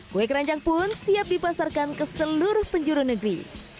kue keranjang pun siap dipasarkan ke seluruh penjuru negeri